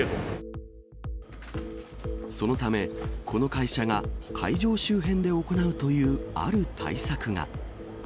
そのため、この会社が会場周辺で行うというある対策が。